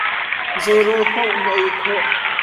Zei rawl poh na ei khawh.